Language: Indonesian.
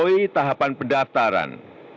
telah melampaui tahapan pendaftaran